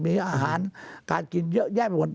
มีอาหารการกินเยอะแยะไปหมด